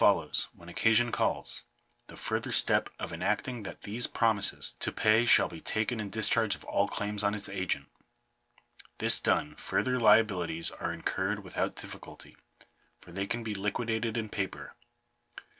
follows, when occasion calls, the further step of enacting that these promises to pay shall be taken in discharge of all claims on its agent. This done, further liabilities are incurred with out difficulty, for they can be liquidated in paper.